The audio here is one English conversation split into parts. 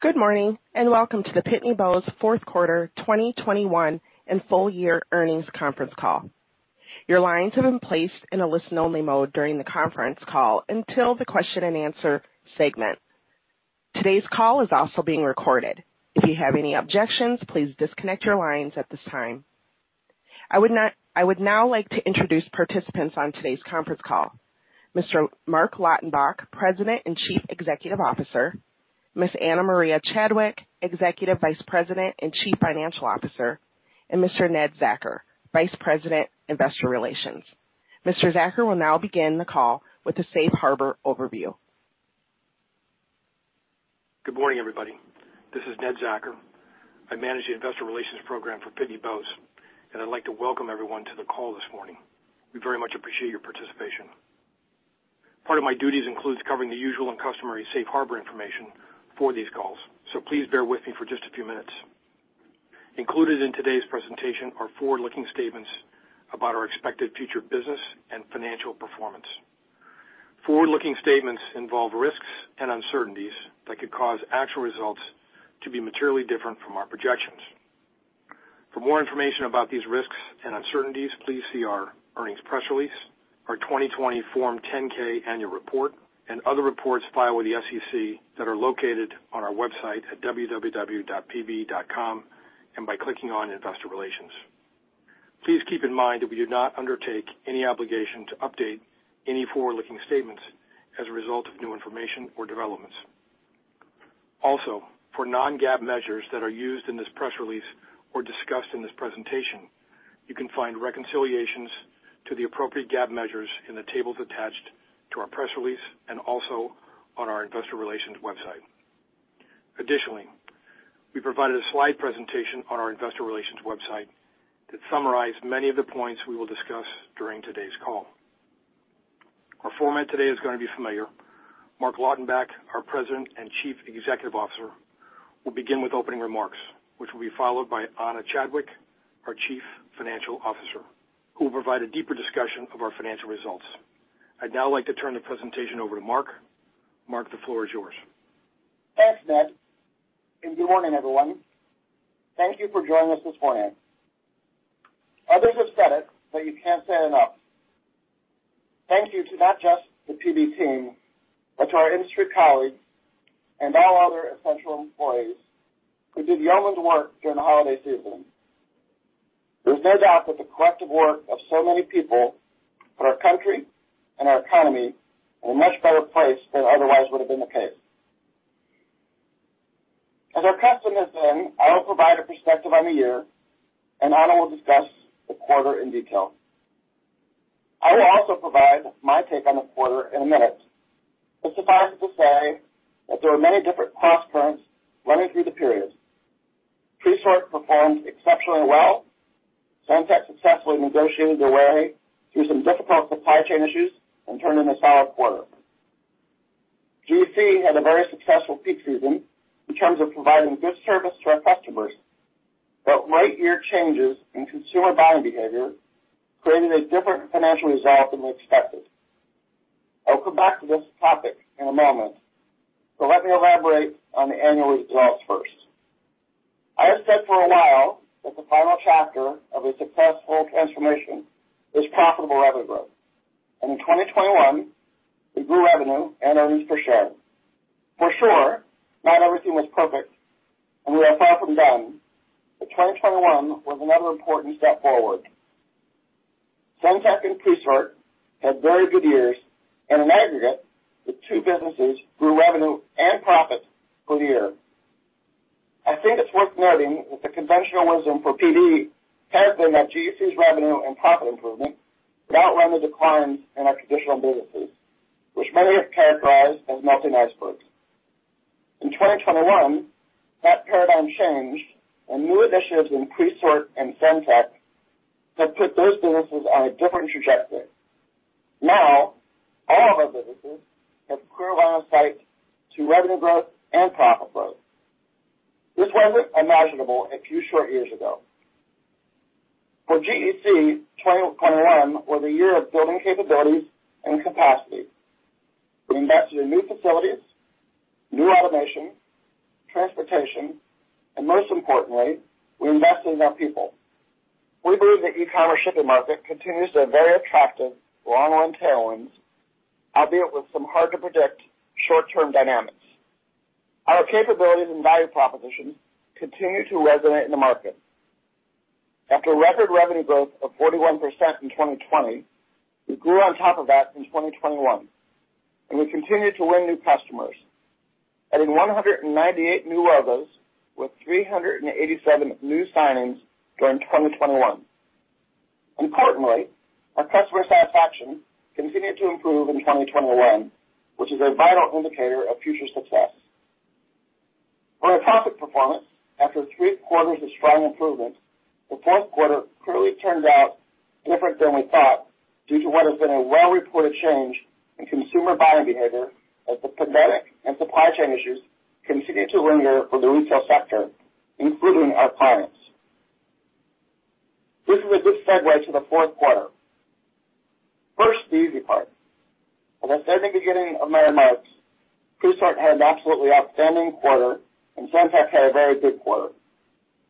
Good morning, and welcome to the Pitney Bowes Fourth Quarter 2021 and Full Year Earnings Conference Call. Your lines have been placed in a listen-only mode during the conference call until the question and answer segment. Today's call is also being recorded. If you have any objections, please disconnect your lines at this time. I would now like to introduce participants on today's conference call. Mr. Marc Lautenbach, President and Chief Executive Officer, Ms. Ana Maria Chadwick, Executive Vice President and Chief Financial Officer, and Mr. Ned Zachar, Vice President, Investor Relations. Mr. Zachar will now begin the call with the Safe Harbor overview. Good morning, everybody. This is Ned Zachar. I manage the investor relations program for Pitney Bowes, and I'd like to welcome everyone to the call this morning. We very much appreciate your participation. Part of my duties includes covering the usual and customary Safe Harbor information for these calls, so please bear with me for just a few minutes. Included in today's presentation are forward-looking statements about our expected future business and financial performance. Forward-looking statements involve risks and uncertainties that could cause actual results to be materially different from our projections. For more information about these risks and uncertainties, please see our earnings press release, our 2020 Form 10-K annual report, and other reports filed with the SEC that are located on our website at www.pb.com, and by clicking on Investor Relations. Please keep in mind that we do not undertake any obligation to update any forward-looking statements as a result of new information or developments. Also, for non-GAAP measures that are used in this press release or discussed in this presentation, you can find reconciliations to the appropriate GAAP measures in the tables attached to our press release, and also on our investor relations website. Additionally, we provided a slide presentation on our investor relations website that summarize many of the points we will discuss during today's call. Our format today is gonna be familiar. Marc Lautenbach, our President and Chief Executive Officer, will begin with opening remarks, which will be followed by Ana Chadwick, our Chief Financial Officer, who will provide a deeper discussion of our financial results. I'd now like to turn the presentation over to Marc. Marc, the floor is yours. Thanks, Ned. Good morning, everyone. Thank you for joining us this morning. Others have said it, but you can't say it enough. Thank you to not just the PB team, but to our industry colleagues and all other essential employees who did yeoman's work during the holiday season. There's no doubt that the collective work of so many people put our country and our economy in a much better place than otherwise would have been the case. As our custom has been, I will provide a perspective on the year, and Ana will discuss the quarter in detail. I will also provide my take on the quarter in a minute. Suffice it to say that there are many different crosscurrents running through the period. Presort performed exceptionally well. SendTech successfully negotiated their way through some difficult supply chain issues and turned in a solid quarter. GEC had a very successful peak season in terms of providing good service to our customers, but late year changes in consumer buying behavior created a different financial result than we expected. I'll come back to this topic in a moment, but let me elaborate on the annual results first. I have said for a while that the final chapter of a successful transformation is profitable revenue growth. In 2021, we grew revenue and earnings per share. For sure, not everything was perfect, and we are far from done, but 2021 was another important step forward. SendTech and Presort had very good years. In aggregate, the two businesses grew revenue and profit for the year. I think it's worth noting that the conventional wisdom for PB had been that GEC's revenue and profit improvement would outrun the declines in our traditional businesses, which many have characterized as melting icebergs. In 2021, that paradigm changed, and new initiatives in Presort and SendTech have put those businesses on a different trajectory. Now, all of our businesses have clear line of sight to revenue growth and profit growth. This wasn't imaginable a few short years ago. For GEC, 2021 was a year of building capabilities and capacity. We invested in new facilities, new automation, transportation, and most importantly, we invested in our people. We believe the e-commerce shipping market continues to have very attractive long-run tailwinds, albeit with some hard to predict short-term dynamics. Our capabilities and value propositions continue to resonate in the market. After record revenue growth of 41% in 2020, we grew on top of that in 2021, and we continued to win new customers, adding 198 new logos with 387 new signings during 2021. Importantly, our customer satisfaction continued to improve in 2021, which is a vital indicator of future success. On our topic performance, after three quarters of strong improvement, the fourth quarter clearly turned out different than we thought due to what has been a well-reported change in consumer buying behavior as the pandemic and supply chain issues continue to linger for the retail sector, including our clients. This is a good segue to the fourth quarter. First, the easy part. I said at the beginning of my remarks, Presort had an absolutely outstanding quarter, and SendTech had a very good quarter.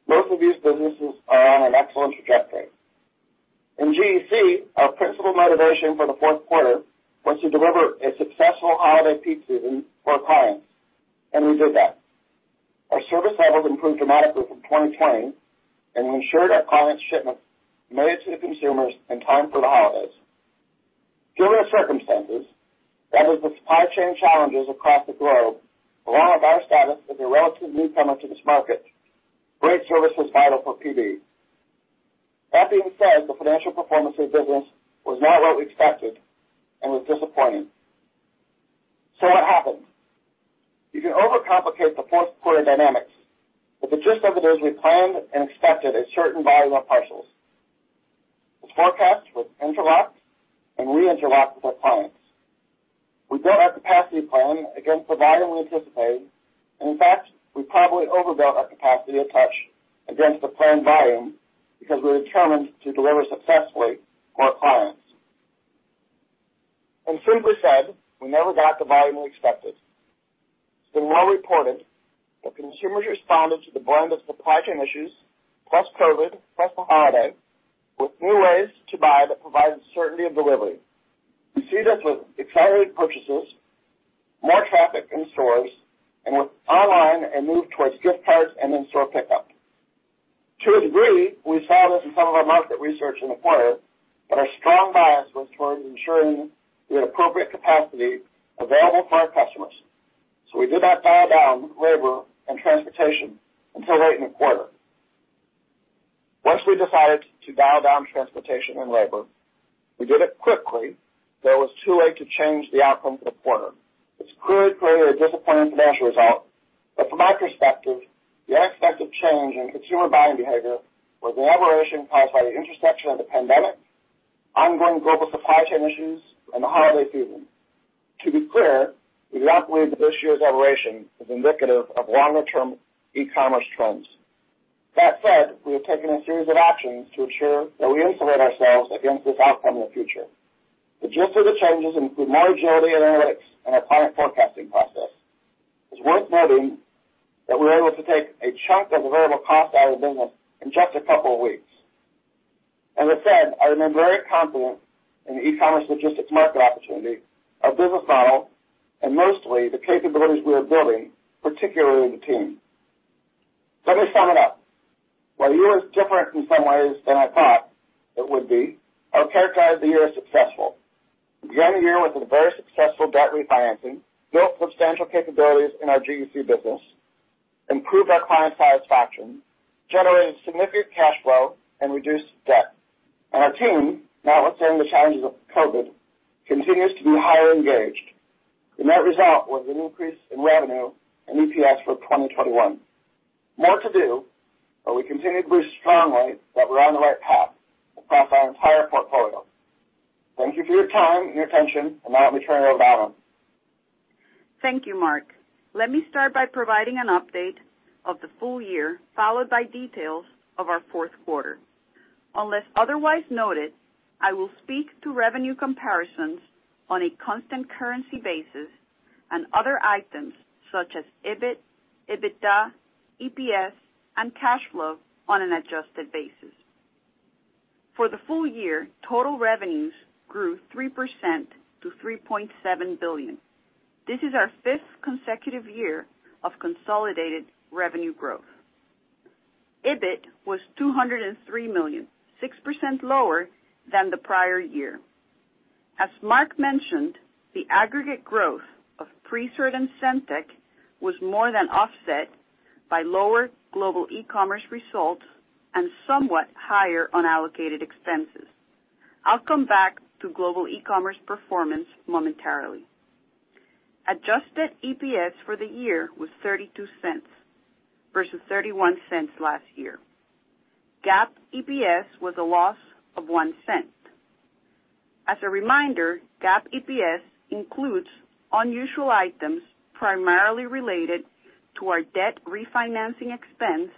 Both of these businesses are on an excellent trajectory. In GEC, our principal motivation for the fourth quarter was to deliver a successful holiday peak season for our clients, and we did that. Our service levels improved dramatically from 2020, and we ensured our clients' shipments made it to the consumers in time for the holidays. Given the circumstances, that is the supply chain challenges across the globe, along with our status as a relative newcomer to this market, great service was vital for PB. That being said, the financial performance of the business was not what we expected and was disappointing. What happened? You can overcomplicate the fourth quarter dynamics, but the gist of it is we planned and expected a certain volume of parcels. This forecast was interlocked and reinterlocked with our clients. We built our capacity plan against the volume we anticipated. In fact, we probably overbuilt our capacity a touch against the planned volume because we were determined to deliver successfully to our clients. Simply said, we never got the volume we expected. It's been well reported that consumers responded to the blend of supply chain issues, plus COVID, plus the holiday, with new ways to buy that provided certainty of delivery. We see this with accelerated purchases, more traffic in stores, and with online and a move towards gift cards and in-store pickup. To a degree, we saw this in some of our market research in the quarter, but our strong bias was towards ensuring we had appropriate capacity available for our customers. We did not dial down labor and transportation until late in the quarter. Once we decided to dial down transportation and labor, we did it quickly, though it was too late to change the outcome for the quarter. This clearly created a disappointing financial result. From my perspective, the unexpected change in consumer buying behavior was an aberration caused by the intersection of the pandemic, ongoing global supply chain issues, and the holiday season. To be clear, we do not believe that this year's aberration is indicative of longer-term e-commerce trends. That said, we have taken a series of actions to ensure that we insulate ourselves against this outcome in the future. The gist of the changes include more agility and analytics in our client forecasting process. It's worth noting that we were able to take a chunk of variable cost out of the business in just a couple of weeks. As I said, I remain very confident in the e-commerce logistics market opportunity, our business model, and mostly the capabilities we are building, particularly the team. Let me sum it up. While the year was different in some ways than I thought it would be, I would characterize the year as successful. We began the year with a very successful debt refinancing, built substantial capabilities in our GEC business, improved our client satisfaction, generated significant cash flow, and reduced debt. Our team, notwithstanding the challenges of COVID, continues to be highly engaged. The net result was an increase in revenue and EPS for 2021. More to do, but we continue to believe strongly that we're on the right path across our entire portfolio. Thank you for your time and your attention, and now let me turn it over to Ana. Thank you, Marc. Let me start by providing an update of the full year, followed by details of our fourth quarter. Unless otherwise noted, I will speak to revenue comparisons on a constant currency basis and other items such as EBIT, EBITDA, EPS, and cash flow on an adjusted basis. For the full year, total revenues grew 3% to $3.7 billion. This is our fifth consecutive year of consolidated revenue growth. EBIT was $203 million, 6% lower than the prior year. As Marc mentioned, the aggregate growth of Presort and SendTech was more than offset by lower Global Ecommerce results and somewhat higher unallocated expenses. I'll come back to Global Ecommerce performance momentarily. Adjusted EPS for the year was $0.32 versus $0.31 last year. GAAP EPS was a loss of $0.01. As a reminder, GAAP EPS includes unusual items primarily related to our debt refinancing expense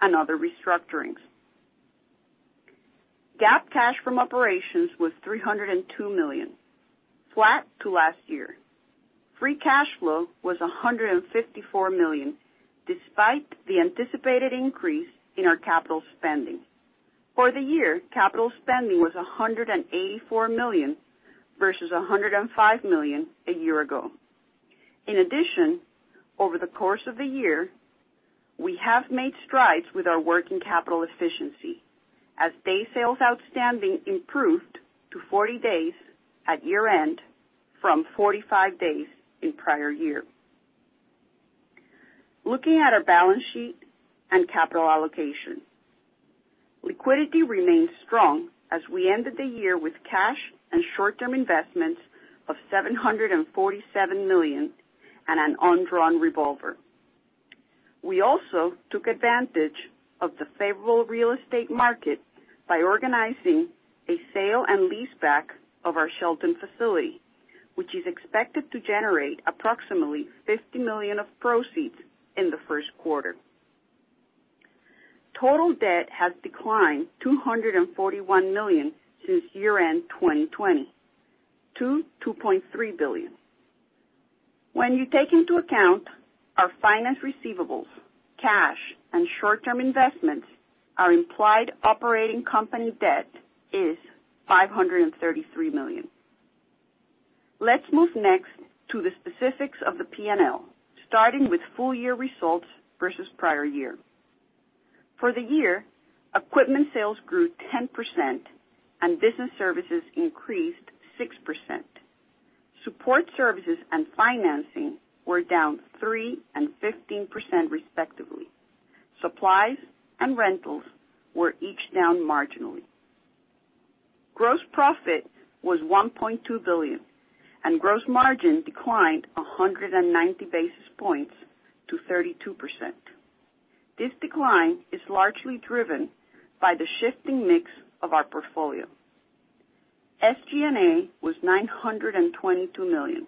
and other restructurings. GAAP cash from operations was $302 million, flat to last year. Free cash flow was $154 million, despite the anticipated increase in our capital spending. For the year, capital spending was $184 million versus $105 million a year ago. In addition, over the course of the year, we have made strides with our working capital efficiency as day sales outstanding improved to 40 days at year-end from 45 days in prior year. Looking at our balance sheet and capital allocation, liquidity remains strong as we ended the year with cash and short-term investments of $747 million and an undrawn revolver. We also took advantage of the favorable real estate market by organizing a sale and leaseback of our Shelton facility, which is expected to generate approximately $50 million of proceeds in the first quarter. Total debt has declined $241 million since year-end 2020 to $2.3 billion. When you take into account our finance receivables, cash, and short-term investments, our implied operating company debt is $533 million. Let's move next to the specifics of the P&L, starting with full year results versus prior year. For the year, equipment sales grew 10% and business services increased 6%. Support services and financing were down 3% and 15% respectively. Supplies and rentals were each down marginally. Gross profit was $1.2 billion, and gross margin declined 190 basis points to 32%. This decline is largely driven by the shifting mix of our portfolio. SG&A was $922 million,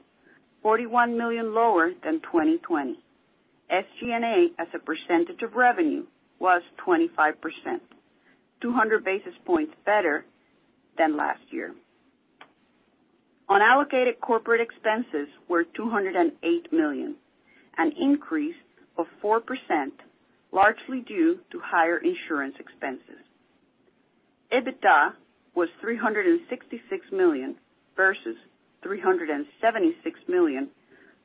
$41 million lower than 2020. SG&A, as a percentage of revenue, was 25%, 200 basis points better than last year. Unallocated corporate expenses were $208 million, an increase of 4%, largely due to higher insurance expenses. EBITDA was $366 million versus $376 million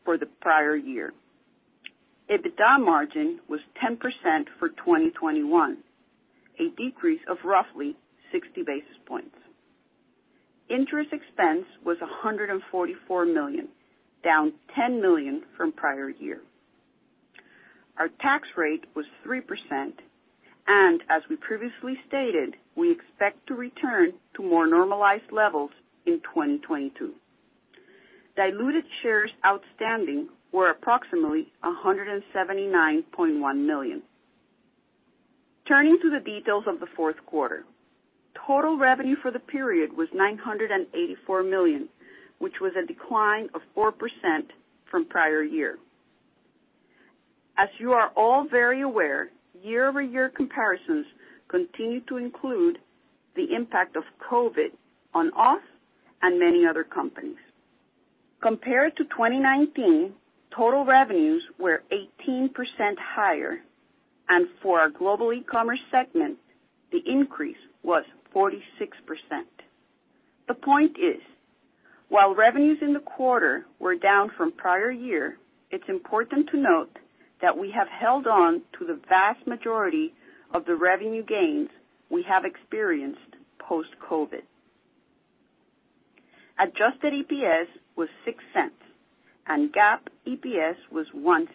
for the prior year. EBITDA margin was 10% for 2021, a decrease of roughly 60 basis points. Interest expense was $144 million, down $10 million from prior year. Our tax rate was 3%, and as we previously stated, we expect to return to more normalized levels in 2022. Diluted shares outstanding were approximately 179.1 million. Turning to the details of the fourth quarter. Total revenue for the period was $984 million, which was a decline of 4% from prior year. As you are all very aware, year-over-year comparisons continue to include the impact of COVID on us and many other companies. Compared to 2019, total revenues were 18% higher, and for our Global Ecommerce segment, the increase was 46%. The point is, while revenues in the quarter were down from prior year, it's important to note that we have held on to the vast majority of the revenue gains we have experienced post-COVID. Adjusted EPS was $0.06, and GAAP EPS was $0.01.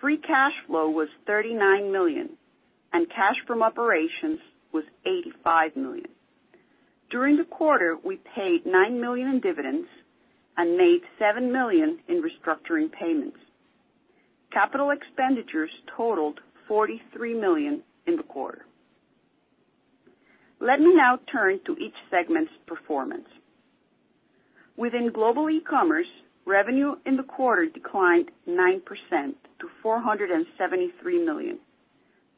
Free cash flow was $39 million, and cash from operations was $85 million. During the quarter, we paid $9 million in dividends and made $7 million in restructuring payments. Capital expenditures totaled $43 million in the quarter. Let me now turn to each segment's performance. Within Global Ecommerce, revenue in the quarter declined 9% to $473 million,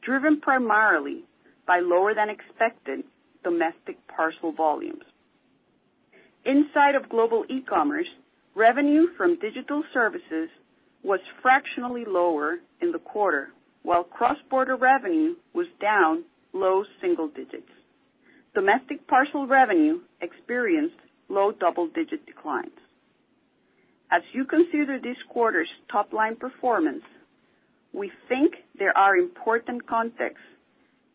driven primarily by lower than expected domestic parcel volumes. Inside of Global Ecommerce, revenue from digital services was fractionally lower in the quarter, while cross-border revenue was down low single digits. Domestic parcel revenue experienced low double-digit declines. As you consider this quarter's top-line performance, we think there are important contexts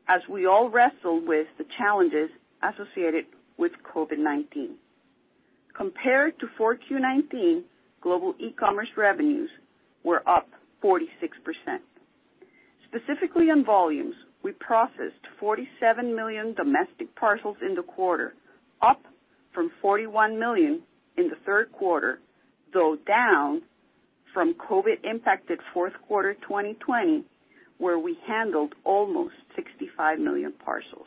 as we all wrestle with the challenges associated with COVID-19. Compared to Q4 2019, Global Ecommerce revenues were up 46%. Specifically on volumes, we processed 47 million domestic parcels in the quarter, up from 41 million in the third quarter, though down from COVID-impacted fourth quarter 2020, where we handled almost 65 million parcels.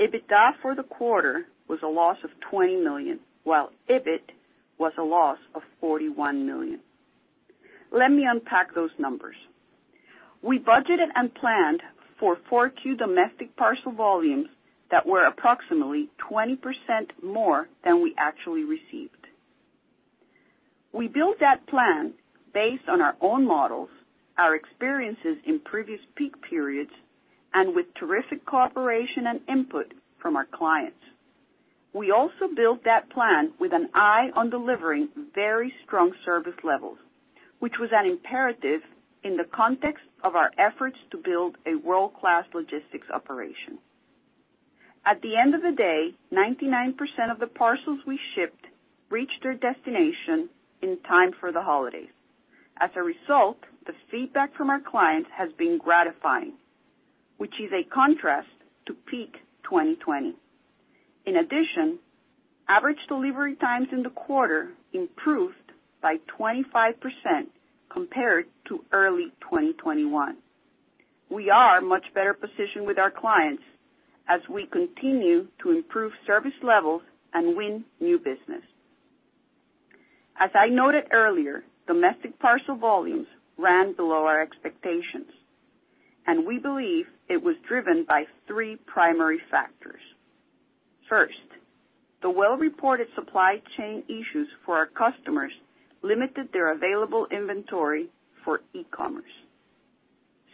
EBITDA for the quarter was a loss of $20 million, while EBIT was a loss of $41 million. Let me unpack those numbers. We budgeted and planned for 4Q domestic parcel volumes that were approximately 20% more than we actually received. We built that plan based on our own models, our experiences in previous peak periods, and with terrific cooperation and input from our clients. We also built that plan with an eye on delivering very strong service levels, which was an imperative in the context of our efforts to build a world-class logistics operation. At the end of the day, 99% of the parcels we shipped reached their destination in time for the holidays. As a result, the feedback from our clients has been gratifying, which is a contrast to peak 2020. In addition, average delivery times in the quarter improved by 25% compared to early 2021. We are much better positioned with our clients as we continue to improve service levels and win new business. As I noted earlier, domestic parcel volumes ran below our expectations, and we believe it was driven by three primary factors. First, the well-reported supply chain issues for our customers limited their available inventory for e-commerce.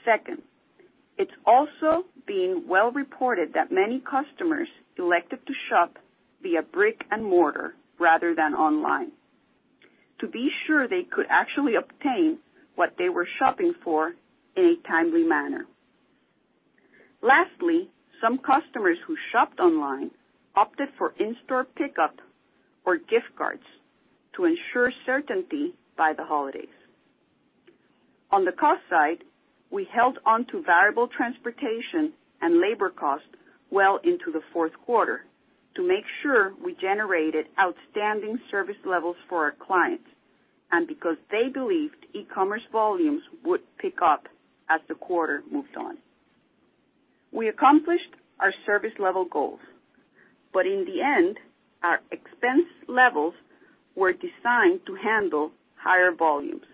Second, it's also been well reported that many customers elected to shop via brick and mortar rather than online to be sure they could actually obtain what they were shopping for in a timely manner. Lastly, some customers who shopped online opted for in-store pickup or gift cards to ensure certainty by the holidays. On the cost side, we held onto variable transportation and labor costs well into the fourth quarter to make sure we generated outstanding service levels for our clients and because they believed e-commerce volumes would pick up as the quarter moved on. We accomplished our service level goals, but in the end, our expense levels were designed to handle higher volumes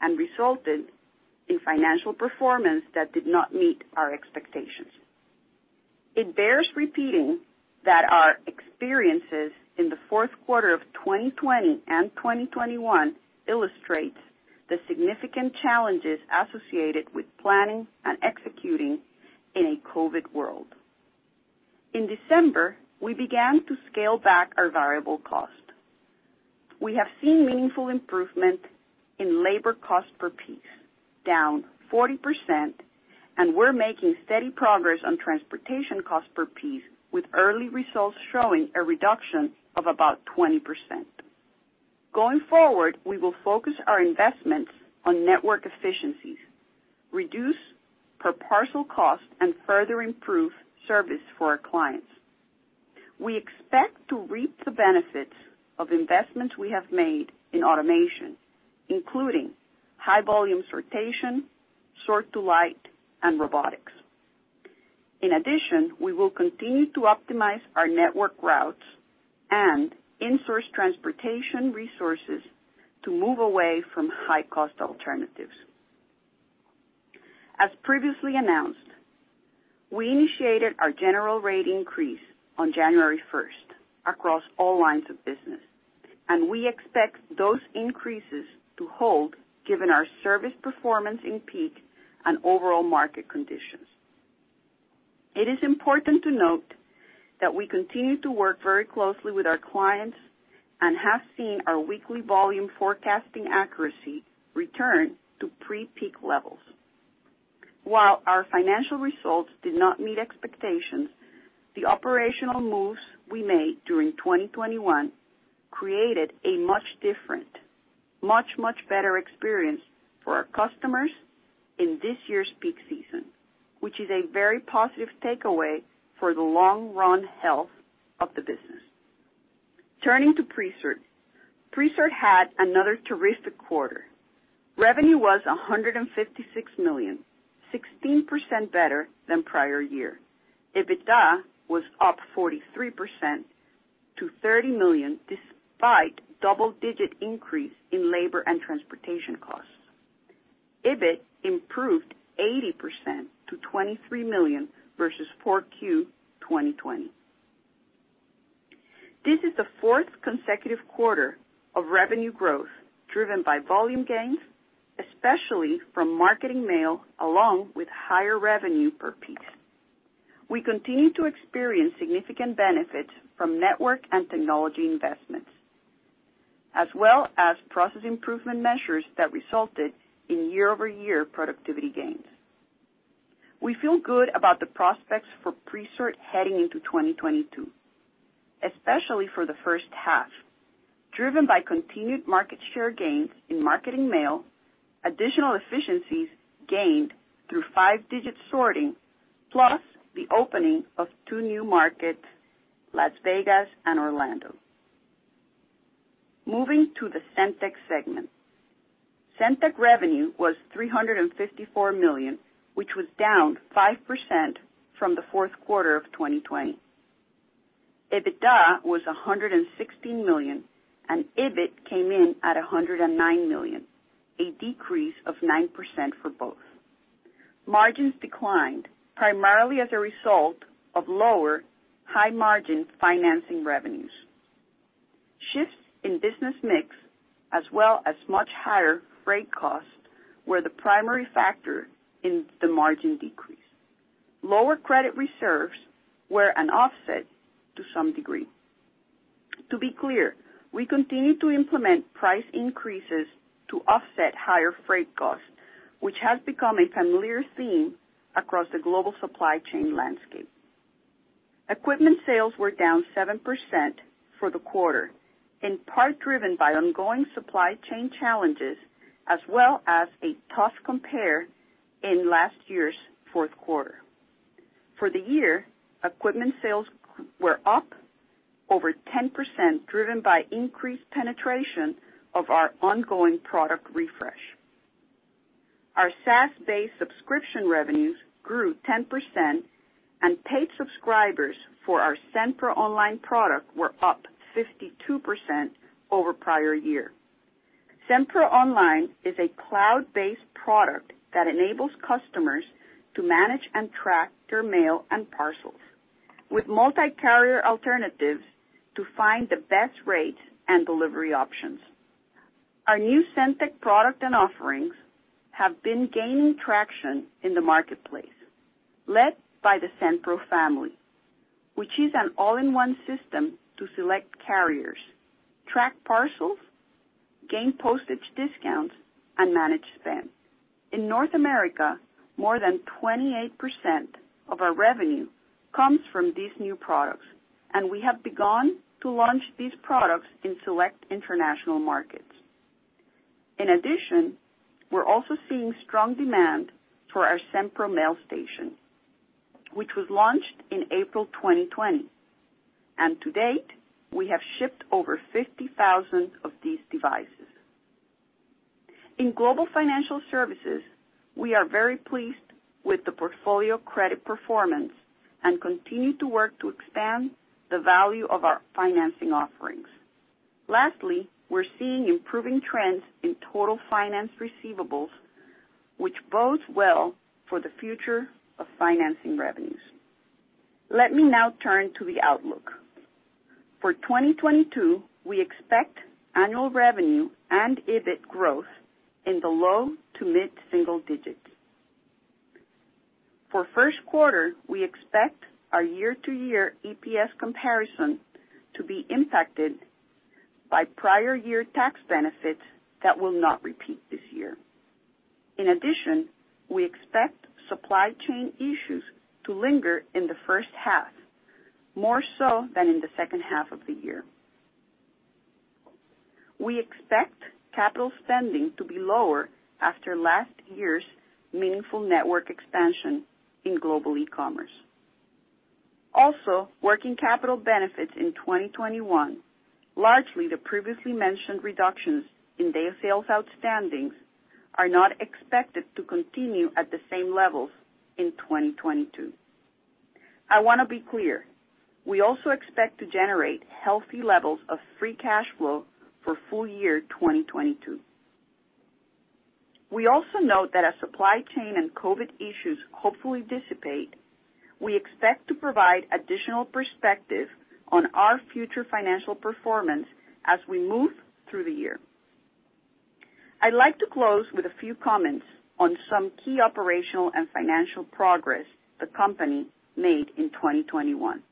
and resulted in financial performance that did not meet our expectations. It bears repeating that our experiences in the fourth quarter of 2020 and 2021 illustrate the significant challenges associated with planning and executing in a COVID world. In December, we began to scale back our variable cost. We have seen meaningful improvement in labor cost per piece, down 40%, and we're making steady progress on transportation cost per piece, with early results showing a reduction of about 20%. Going forward, we will focus our investments on network efficiencies, reduce per parcel cost, and further improve service for our clients. We expect to reap the benefits of investments we have made in automation, including high-volume sortation, sort-to-light, and robotics. In addition, we will continue to optimize our network routes and in-source transportation resources to move away from high-cost alternatives. As previously announced, we initiated our general rate increase on January first across all lines of business, and we expect those increases to hold given our service performance in peak and overall market conditions. It is important to note that we continue to work very closely with our clients and have seen our weekly volume forecasting accuracy return to pre-peak levels. While our financial results did not meet expectations, the operational moves we made during 2021 created a much different, much better experience for our customers in this year's peak season, which is a very positive takeaway for the long-run health of the business. Turning to Presort. Presort had another terrific quarter. Revenue was $156 million, 16% better than prior year. EBITDA was up 43% to $30 million, despite double-digit increase in labor and transportation costs. EBIT improved 80% to $23 million versus Q4 2020. This is the fourth consecutive quarter of revenue growth driven by volume gains, especially from marketing mail along with higher revenue per piece. We continue to experience significant benefits from network and technology investments, as well as process improvement measures that resulted in year-over-year productivity gains. We feel good about the prospects for Presort heading into 2022, especially for the first half, driven by continued market share gains in marketing mail, additional efficiencies gained through five-digit sorting, plus the opening of two new markets, Las Vegas and Orlando. Moving to the SendTech segment. SendTech revenue was $354 million, which was down 5% from the fourth quarter of 2020. EBITDA was $116 million, and EBIT came in at $109 million, a decrease of 9% for both. Margins declined primarily as a result of lower high-margin financing revenues. Shifts in business mix as well as much higher freight costs were the primary factor in the margin decrease. Lower credit reserves were an offset to some degree. To be clear, we continue to implement price increases to offset higher freight costs, which has become a familiar theme across the global supply chain landscape. Equipment sales were down 7% for the quarter, in part driven by ongoing supply chain challenges as well as a tough compare in last year's fourth quarter. For the year, equipment sales were up over 10%, driven by increased penetration of our ongoing product refresh. Our SaaS-based subscription revenues grew 10%, and paid subscribers for our SendPro Online product were up 52% over prior year. SendPro Online is a cloud-based product that enables customers to manage and track their mail and parcels with multi-carrier alternatives to find the best rates and delivery options. Our new SendTech product and offerings have been gaining traction in the marketplace, led by the SendPro family, which is an all-in-one system to select carriers, track parcels, gain postage discounts, and manage spend. In North America, more than 28% of our revenue comes from these new products, and we have begun to launch these products in select international markets. In addition, we're also seeing strong demand for our SendPro Mailstation, which was launched in April 2020. To date, we have shipped over 50,000 of these devices. In Global Financial Services, we are very pleased with the portfolio credit performance and continue to work to expand the value of our financing offerings. Lastly, we're seeing improving trends in total finance receivables, which bodes well for the future of financing revenues. Let me now turn to the outlook. For 2022, we expect annual revenue and EBIT growth in the low- to mid-single-digit %. For first quarter, we expect our year-to-year EPS comparison to be impacted by prior year tax benefits that will not repeat this year. In addition, we expect supply chain issues to linger in the first half, more so than in the second half of the year. We expect capital spending to be lower after last year's meaningful network expansion in Global Ecommerce. Also, working capital benefits in 2021, largely the previously mentioned reductions in day sales outstandings, are not expected to continue at the same levels in 2022. I wanna be clear, we also expect to generate healthy levels of free cash flow for full year 2022. We also note that as supply chain and COVID issues hopefully dissipate, we expect to provide additional perspective on our future financial performance as we move through the year. I'd like to close with a few comments on some key operational and financial progress the company made in 2021.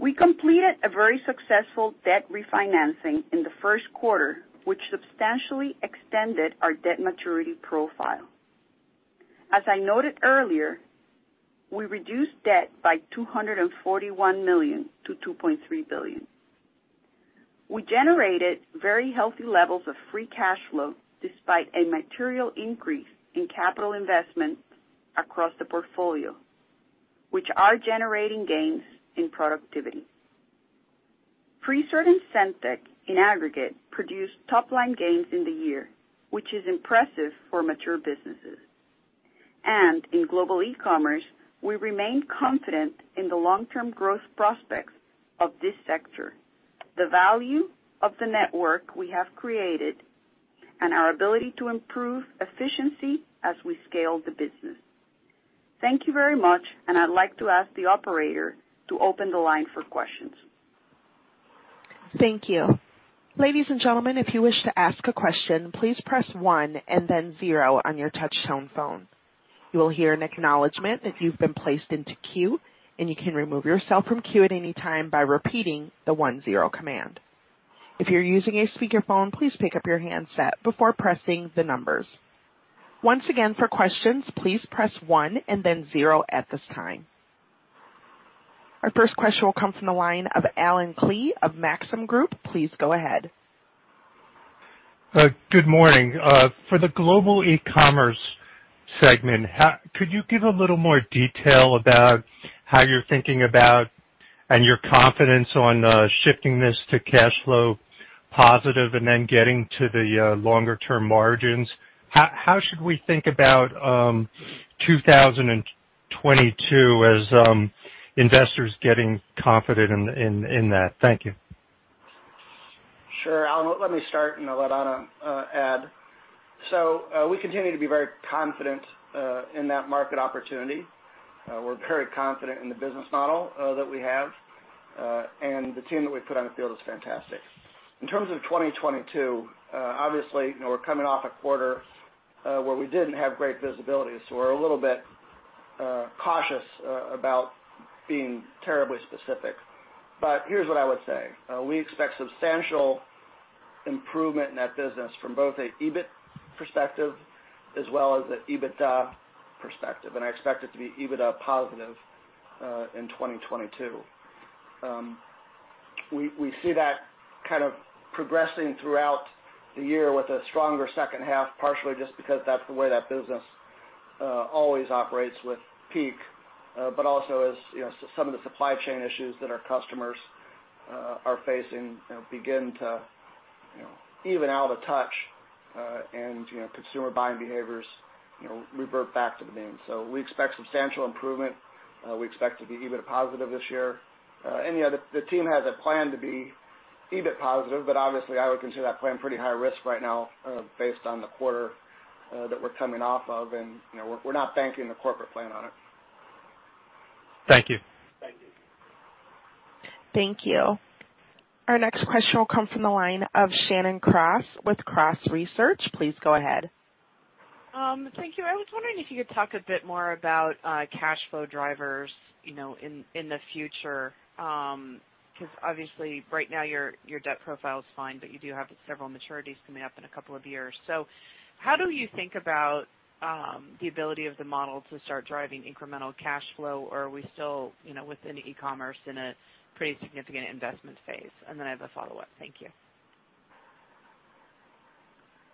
We completed a very successful debt refinancing in the first quarter, which substantially extended our debt maturity profile. As I noted earlier, we reduced debt by $241 million to $2.3 billion. We generated very healthy levels of free cash flow despite a material increase in capital investment across the portfolio, which are generating gains in productivity. Presort and SendTech, in aggregate, produced top line gains in the year, which is impressive for mature businesses. In Global Ecommerce, we remain confident in the long-term growth prospects of this sector, the value of the network we have created, and our ability to improve efficiency as we scale the business. Thank you very much, and I'd like to ask the operator to open the line for questions. Thank you. Ladies and gentlemen, if you wish to ask a question, please press one and then zero on your touchtone phone. You will hear an acknowledgment if you've been placed into queue, and you can remove yourself from queue at any time by repeating the one-zero command. If you're using a speakerphone, please pick up your handset before pressing the numbers. Once again, for questions, please press one and then zero at this time. Our first question will come from the line of Allen Klee of Maxim Group. Please go ahead. Good morning. For the Global Ecommerce segment, could you give a little more detail about how you're thinking about and your confidence on shifting this to cash flow positive and then getting to the longer term margins? How should we think about 2022 as investors getting confident in that? Thank you. Sure, Allen, let me start, and I'll let Ana add. We continue to be very confident in that market opportunity. We're very confident in the business model that we have, and the team that we've put on the field is fantastic. In terms of 2022, obviously, you know, we're coming off a quarter where we didn't have great visibility, so we're a little bit cautious about being terribly specific. Here's what I would say. We expect substantial improvement in that business from both an EBIT perspective as well as an EBITDA perspective, and I expect it to be EBITDA positive in 2022. We see that kind of progressing throughout the year with a stronger second half, partially just because that's the way that business always operates with peak, but also as you know some of the supply chain issues that our customers are facing you know begin to even out and you know consumer buying behaviors you know revert back to the mean. We expect substantial improvement. We expect to be EBIT positive this year. Yeah, the team has a plan to be EBIT positive, but obviously I would consider that plan pretty high risk right now based on the quarter that we're coming off of and you know we're not banking the corporate plan on it. Thank you. Thank you. Thank you. Our next question will come from the line of Shannon Cross with Cross Research. Please go ahead. Thank you. I was wondering if you could talk a bit more about cash flow drivers, you know, in the future. 'Cause obviously right now your debt profile is fine, but you do have several maturities coming up in a couple of years. How do you think about the ability of the model to start driving incremental cash flow, or are we still, you know, within e-commerce in a pretty significant investment phase? Then I have a follow-up. Thank you.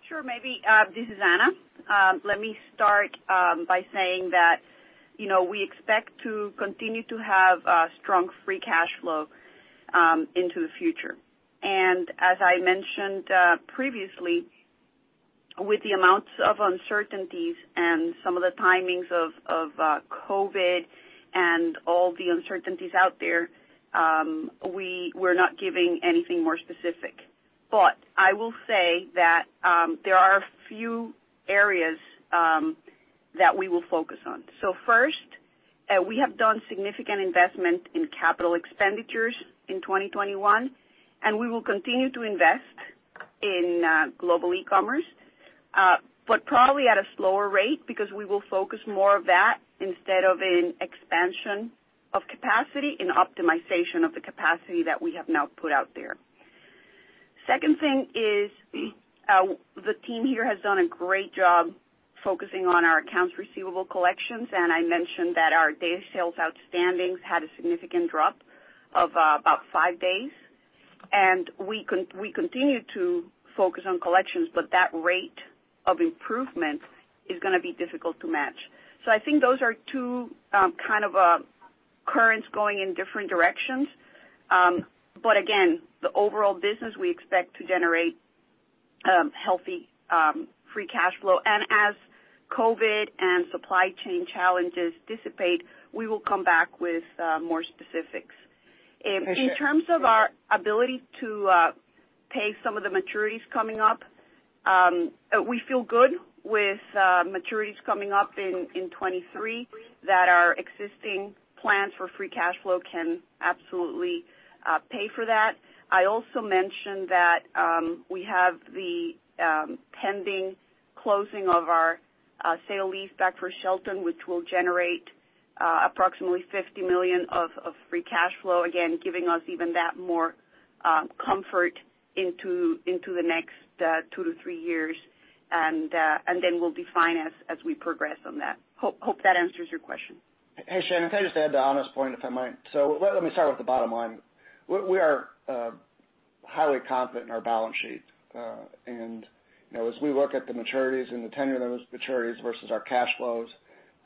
Sure. Maybe, this is Ana. Let me start by saying that, you know, we expect to continue to have strong free cash flow into the future. As I mentioned previously, with the amounts of uncertainties and some of the timings of COVID and all the uncertainties out there, we're not giving anything more specific. I will say that there are a few areas that we will focus on. First, we have done significant investment in capital expenditures in 2021, and we will continue to invest in Global Ecommerce, but probably at a slower rate because we will focus more of that instead of in expansion of capacity, in optimization of the capacity that we have now put out there. Second thing is, the team here has done a great job focusing on our accounts receivable collections, and I mentioned that our day sales outstandings had a significant drop of about five days. We continue to focus on collections, but that rate of improvement is gonna be difficult to match. I think those are two kind of currents going in different directions. Again, the overall business we expect to generate healthy free cash flow. As COVID and supply chain challenges dissipate, we will come back with more specifics. In terms of our ability to pay some of the maturities coming up, we feel good with maturities coming up in 2023, that our existing plans for free cash flow can absolutely pay for that. I also mentioned that we have the pending closing of our sale leaseback for Shelton, which will generate approximately $50 million of free cash flow, again, giving us even that more comfort into the next 2-3 years, and then we'll define as we progress on that. Hope that answers your question. Hey, Shannon, can I just add to Ana's point, if I might? Let me start with the bottom line. We are highly confident in our balance sheet. You know, as we look at the maturities and the tenure of those maturities versus our cash flows,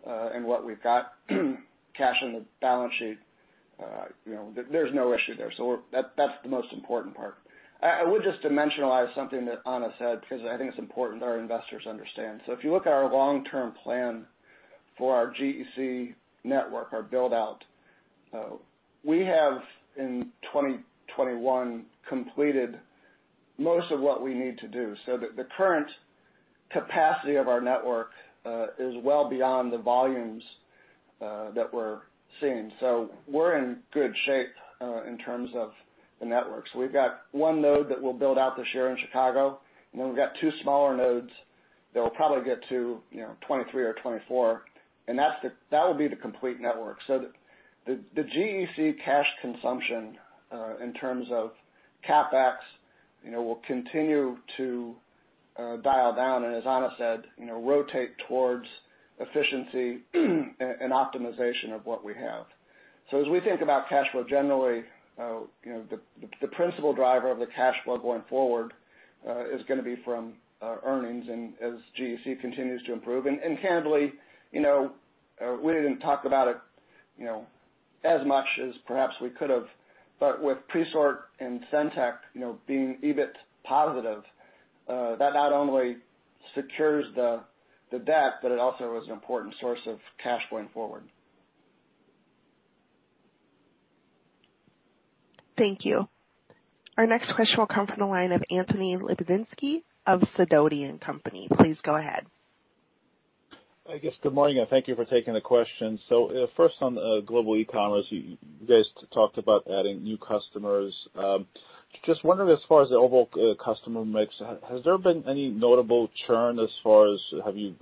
and what we've got cash on the balance sheet, you know, there's no issue there. That's the most important part. I would just dimensionalize something that Ana said because I think it's important our investors understand. If you look at our long-term plan for our GEC network, our build-out, we have in 2021 completed most of what we need to do. The current capacity of our network is well beyond the volumes that we're seeing. We're in good shape in terms of the networks. We've got one node that we'll build out this year in Chicago, and then we've got two smaller nodes that we'll probably get to, you know, 2023 or 2024, and that would be the complete network. The GEC cash consumption in terms of CapEx, you know, will continue to dial down and as Ana said, you know, rotate towards efficiency and optimization of what we have. As we think about cash flow generally, you know, the principal driver of the cash flow going forward is gonna be from earnings and as GEC continues to improve. Candidly, you know, we didn't talk about it, you know, as much as perhaps we could have, but with Presort and SendTech, you know, being EBIT positive, that not only secures the debt, but it also is an important source of cash going forward. Thank you. Our next question will come from the line of Anthony Lebiedzinski of Sidoti & Company. Please go ahead. I guess good morning, and thank you for taking the question. First on Global Ecommerce, you guys talked about adding new customers. Just wondering as far as the overall customer mix, has there been any notable churn? Have you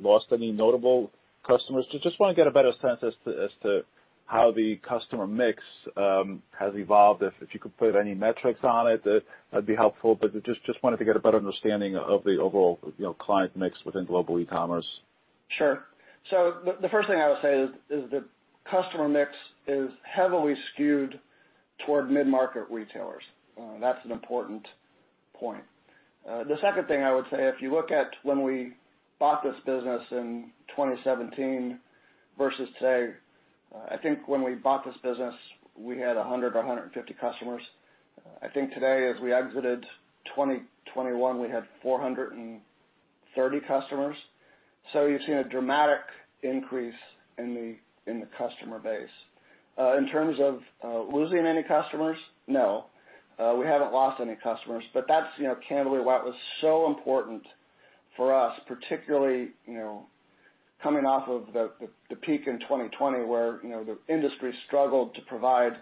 lost any notable customers? Just wanna get a better sense as to how the customer mix has evolved. If you could put any metrics on it, that'd be helpful, but just wanted to get a better understanding of the overall, you know, client mix within Global Ecommerce. Sure. The first thing I would say is the customer mix is heavily skewed toward mid-market retailers. That's an important point. The second thing I would say, if you look at when we bought this business in 2017 versus today, I think when we bought this business, we had 100 or 150 customers. I think today, as we exited 2021, we had 430 customers. You've seen a dramatic increase in the customer base. In terms of losing any customers, no. We haven't lost any customers. That's, you know, candidly why it was so important for us, particularly, you know, coming off of the peak in 2020, where, you know, the industry struggled to provide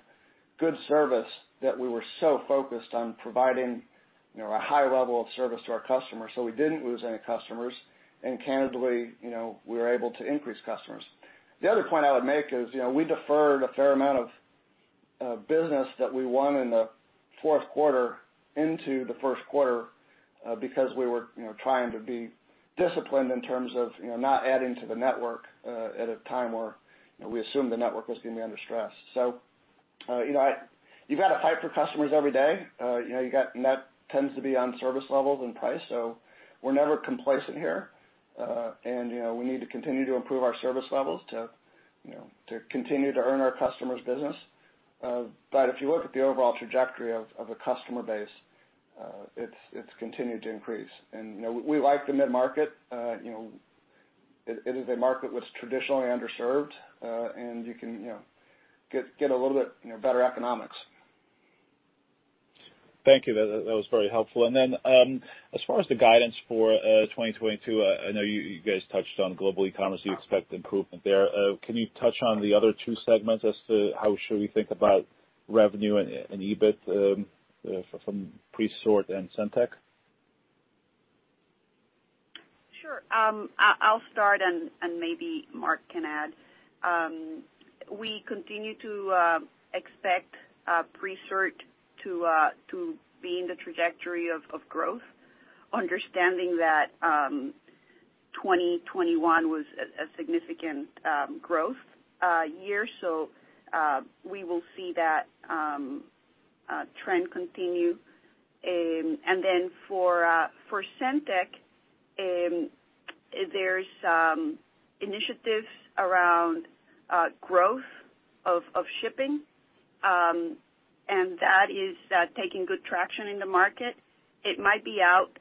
good service that we were so focused on providing, you know, a high level of service to our customers, so we didn't lose any customers, and candidly, you know, we were able to increase customers. The other point I would make is, you know, we deferred a fair amount of business that we won in the fourth quarter into the first quarter, because we were, you know, trying to be disciplined in terms of, you know, not adding to the network, at a time where, you know, we assumed the network was gonna be under stress. You know, you've got to fight for customers every day. You know, competition tends to be on service levels and price, so we're never complacent here. You know, we need to continue to improve our service levels to, you know, to continue to earn our customers' business. If you look at the overall trajectory of the customer base, it's continued to increase. You know, we like the mid-market. You know, it is a market that's traditionally underserved, and you can, you know, get a little bit, you know, better economics. Thank you. That was very helpful. As far as the guidance for 2022, I know you guys touched on Global Ecommerce. You expect improvement there. Can you touch on the other two segments as to how we should think about revenue and EBIT from Presort and SendTech? Sure. I’ll start, and maybe Marc can add. We continue to expect Presort to be in the trajectory of growth, understanding that 2021 was a significant growth year. We will see that trend continue. For SendTech, there’s initiatives around growth of shipping, and that is gaining good traction in the market. It might be out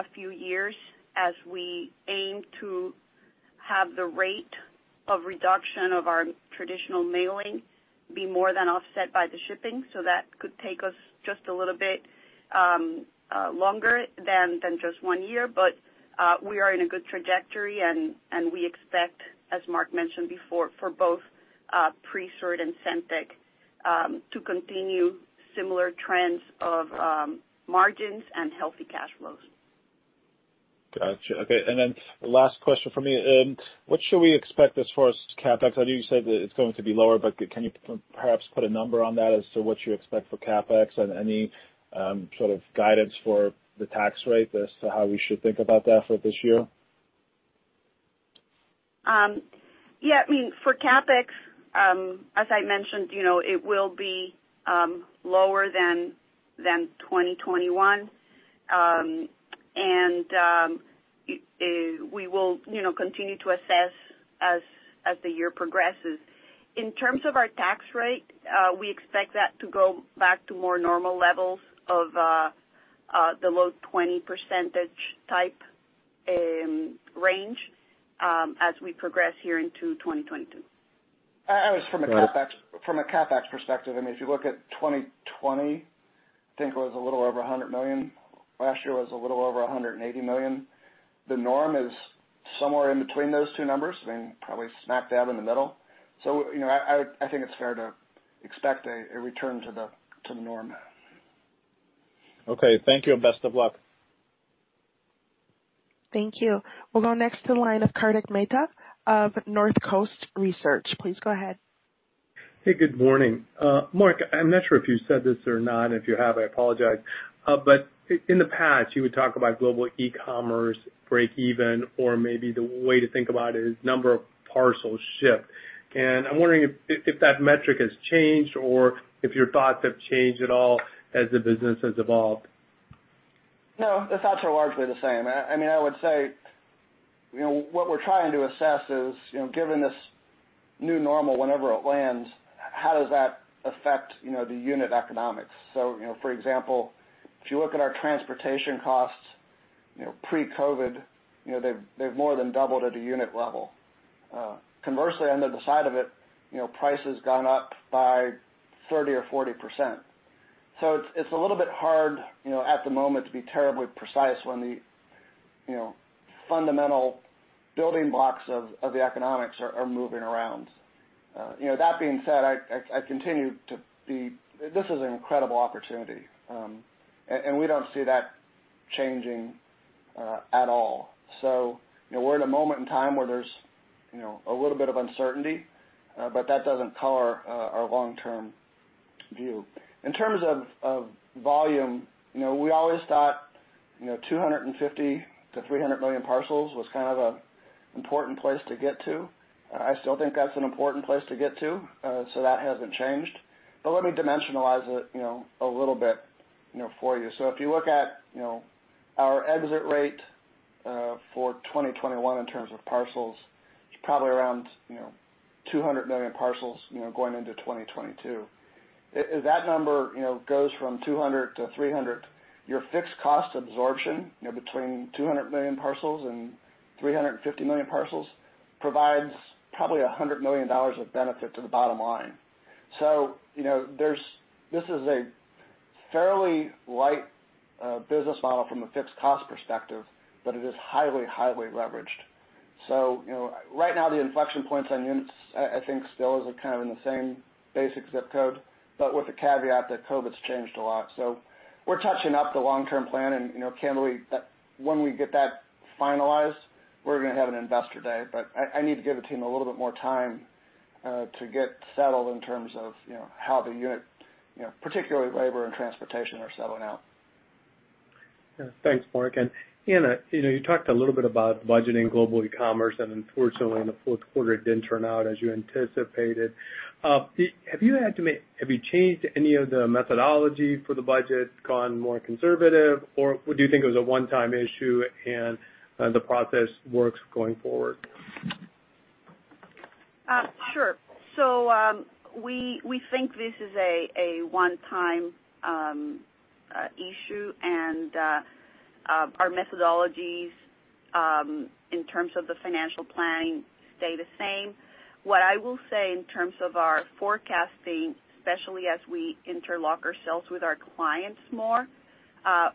a few years as we aim to have the rate of reduction of our traditional mailing be more than offset by the shipping, so that could take us just a little bit longer than just one year. We are in a good trajectory, and we expect, as Marc mentioned before, for both Presort and SendTech to continue similar trends of margins and healthy cash flows. Gotcha. Okay. Last question from me. What should we expect as far as CapEx? I know you said that it's going to be lower, but can you perhaps put a number on that as to what you expect for CapEx and any sort of guidance for the tax rate as to how we should think about that for this year? Yeah, I mean, for CapEx, as I mentioned, you know, it will be lower than 2021. We will, you know, continue to assess as the year progresses. In terms of our tax rate, we expect that to go back to more normal levels of the low 20% type range as we progress here into 2022. I was from a CapEx. All right. From a CapEx perspective, I mean, if you look at 2020, I think it was a little over $100 million. Last year was a little over $180 million. The norm is somewhere in between those two numbers, I mean, probably smack dab in the middle. You know, I would, I think it's fair to expect a return to the norm. Okay. Thank you. Best of luck. Thank you. We'll go next to the line of Kartik Mehta of Northcoast Research. Please go ahead. Hey, good morning. Mark, I'm not sure if you %said this or not. If you have, I apologize. But in the past, you would talk about Global Ecommerce breakeven or maybe the way to think about it is number of parcels shipped. I'm wondering if that metric has changed or if your thoughts have changed at all as the business has evolved. No, the thoughts are largely the same. I mean, I would say, you know, what we're trying to assess is, you know, given this new normal, whenever it lands, how does that affect, you know, the unit economics? You know, for example, if you look at our transportation costs, you know, pre-COVID, you know, they've more than doubled at the unit level. Conversely on the other side of it, you know, price has gone up by 30% or 40%. It's a little bit hard, you know, at the moment to be terribly precise when the, you know, fundamental building blocks of the economics are moving around. You know, that being said, I continue to be. This is an incredible opportunity. And we don't see that changing at all. You know, we're at a moment in time where there's you know a little bit of uncertainty, but that doesn't color our long-term view. In terms of volume, you know we always thought you know 250-300 million parcels was kind of a important place to get to. I still think that's an important place to get to, so that hasn't changed. Let me dimensionalize it you know a little bit you know for you. If you look at you know our exit rate for 2021 in terms of parcels, it's probably around you know 200 million parcels you know going into 2022. If that number, you know, goes from 200 to 300, your fixed cost absorption, you know, between 200 million parcels and 350 million parcels provides probably $100 million of benefit to the bottom line. You know, there's this is a fairly light business model from a fixed cost perspective, but it is highly leveraged. You know, right now the inflection points on units, I think still is kind of in the same basic zip code, but with the caveat that COVID's changed a lot. We're touching up the long-term plan. You know, Ken, we, when we get that finalized, we're gonna have an investor day. I need to give the team a little bit more time to get settled in terms of, you know, how the unit, you know, particularly labor and transportation are settling out. Yeah. Thanks, Marc. Ana, you know, you talked a little bit about budgeting Global Ecommerce, and unfortunately in the fourth quarter it didn't turn out as you anticipated. Have you changed any of the methodology for the budget, gone more conservative, or do you think it was a one-time issue and the process works going forward? Sure. So, we think this is a one-time issue. Our methodologies in terms of the financial planning stay the same. What I will say in terms of our forecasting, especially as we interlock ourselves with our clients more,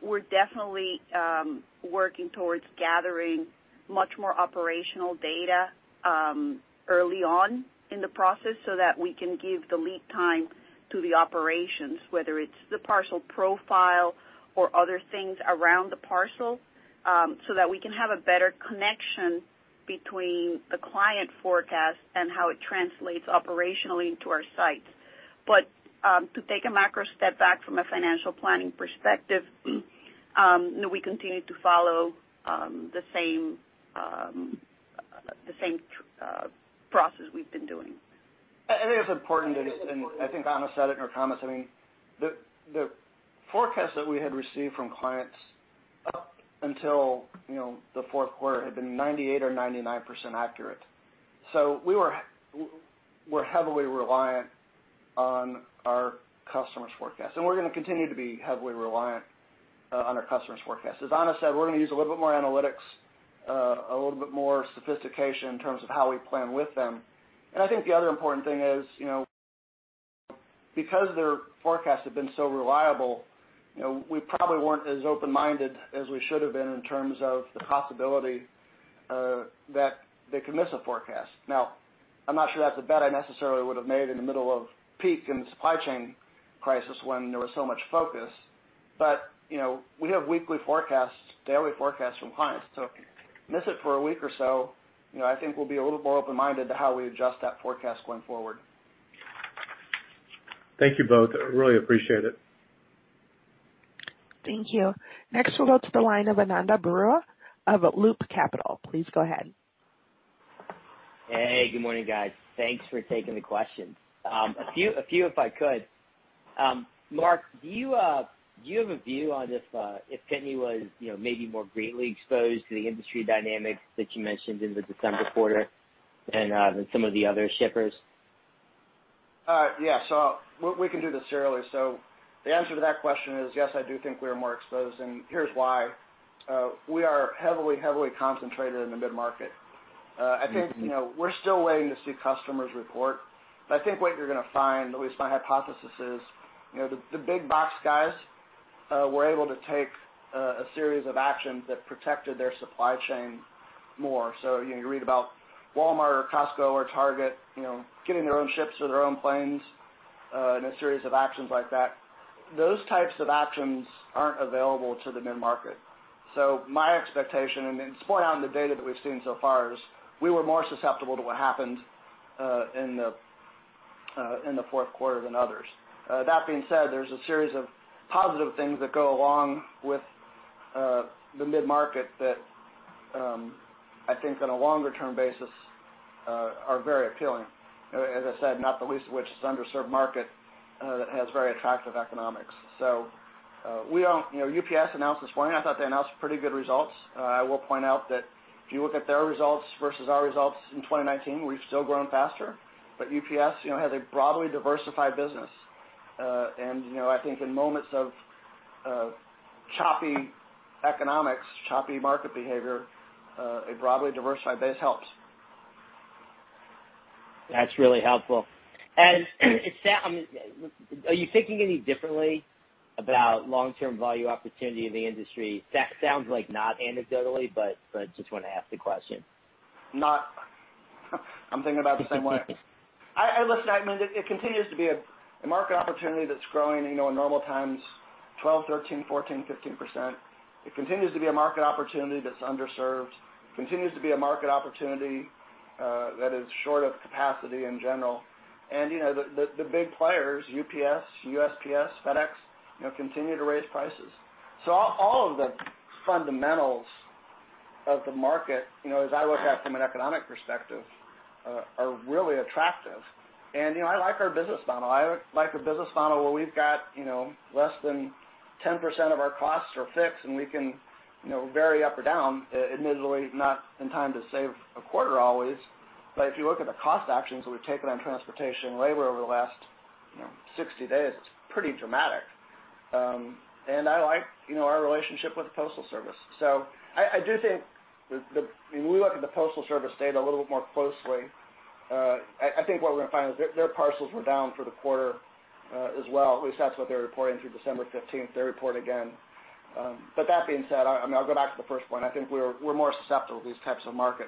we're definitely working towards gathering much more operational data early on in the process so that we can give the lead time to the operations, whether it's the parcel profile or other things around the parcel, so that we can have a better connection between the client forecast and how it translates operationally into our sites. To take a macro step back from a financial planning perspective, you know, we continue to follow the same process we've been doing. I think it's important, and I think Ana said it in her comments. I mean, the forecast that we had received from clients up until, you know, the fourth quarter had been 98% or 99% accurate. We were heavily reliant on our customers' forecasts, and we're gonna continue to be heavily reliant on our customers' forecasts. As Ana said, we're gonna use a little bit more analytics, a little bit more sophistication in terms of how we plan with them. I think the other important thing is, you know, because their forecasts have been so reliable, you know, we probably weren't as open-minded as we should have been in terms of the possibility that they could miss a forecast. I'm not sure that's a bet I necessarily would have made in the middle of peak in the supply chain crisis when there was so much focus. You know, we have weekly forecasts, daily forecasts from clients. If you miss it for a week or so, you know, I think we'll be a little more open-minded to how we adjust that forecast going forward. Thank you both. I really appreciate it. Thank you. Next we'll go to the line of Ananda Baruah of Loop Capital. Please go ahead. Hey, good morning, guys. Thanks for taking the questions. A few if I could. Marc, do you have a view on this, if Pitney was, you know, maybe more greatly exposed to the industry dynamics that you mentioned in the December quarter and than some of the other shippers? We can do this serially. The answer to that question is, yes, I do think we are more exposed, and here's why. We are heavily concentrated in the mid-market. I think, you know, we're still waiting to see customers report, but I think what you're gonna find, at least my hypothesis is, you know, the big box guys were able to take a series of actions that protected their supply chain more. You know, you read about Walmart or Costco or Target, you know, getting their own ships or their own planes and a series of actions like that. Those types of actions aren't available to the mid-market. My expectation, and it's borne out in the data that we've seen so far, is we were more susceptible to what happened in the fourth quarter than others. That being said, there's a series of positive things that go along with the mid-market that I think on a longer term basis are very appealing. As I said, not the least of which is underserved market that has very attractive economics. We don't, you know, UPS announced this morning. I thought they announced pretty good results. I will point out that if you look at their results versus our results in 2019, we've still grown faster. UPS, you know, has a broadly diversified business. You know, I think in moments of choppy economics, choppy market behavior, a broadly diversified base helps. That's really helpful. Are you thinking any differently about long-term value opportunity in the industry? That sounds like not anecdotally, but just wanna ask the question. Not. I'm thinking about it the same way. I listen, I mean, it continues to be a market opportunity that's growing. You know, in normal times 12%-15%. It continues to be a market opportunity that's underserved, continues to be a market opportunity that is short of capacity in general. You know, the big players, UPS, USPS, FedEx, you know, continue to raise prices. All of the fundamentals of the market, you know, as I look at from an economic perspective, are really attractive. You know, I like our business model. I like a business model where we've got, you know, less than 10% of our costs are fixed, and we can, you know, vary up or down. Admittedly, not in time to save a quarter always. If you look at the cost actions that we've taken on transportation and labor over the last, you know, 60 days, it's pretty dramatic. I like, you know, our relationship with the Postal Service. I do think when we look at the Postal Service data a little bit more closely, I think what we're gonna find is their parcels were down for the quarter, as well. At least that's what they're reporting through December fifteenth. They report again. That being said, I mean, I'll go back to the first point. I think we're more susceptible to these types of market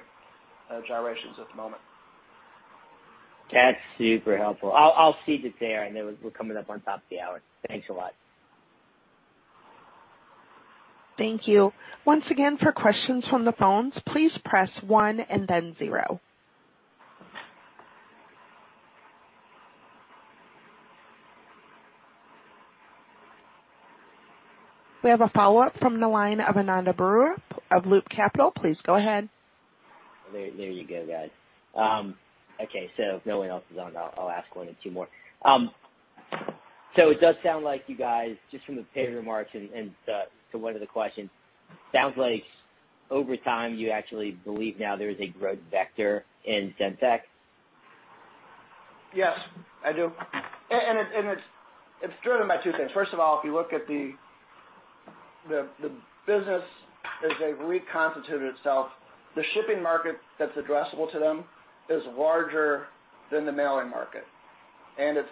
gyrations at the moment. That's super helpful. I'll cede it there. I know we're coming up on top of the hour. Thanks a lot. Thank you. Once again, for questions from the phones, please press one and then zero. We have a follow-up from the line of Ananda Baruah of Loop Capital. Please go ahead. There, there you go, guys. Okay, if no one else is on, I'll ask one or two more. It does sound like you guys, just from the prepared remarks and to one of the questions, sounds like over time, you actually believe now there is a growth vector in SendTech? Yes, I do. It's driven by two things. First of all, if you look at the business as they've reconstituted itself, the shipping market that's addressable to them is larger than the mailing market, and it's